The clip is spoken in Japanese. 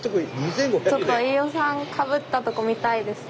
ちょっと飯尾さんかぶったとこ見たいです。